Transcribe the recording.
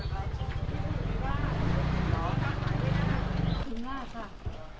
คนนำทางครับคนนำทาง